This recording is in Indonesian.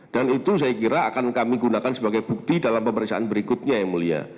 dan itu saya kira akan kami gunakan sebagai bukti dalam pemeriksaan berikutnya ya mulia